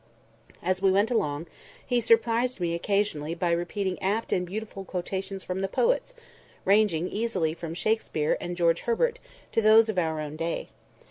As we went along, he surprised me occasionally by repeating apt and beautiful quotations from the poets, ranging easily from Shakespeare and George Herbert to those of our own day.